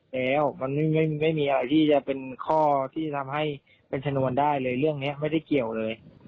แล้วมันไม่มีอะไรที่จะเป็นข้อที่ทำให้เป็นชนวนได้เลยเรื่องนี้ไม่ได้เกี่ยวเลย